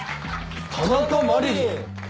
田中麻理鈴！